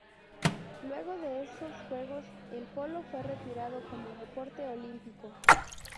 Luego de esos juegos el polo fue retirado como deporte olímpico.